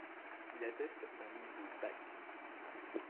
Il atteste d'un niveau bac.